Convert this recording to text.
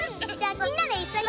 みんなでいっしょに」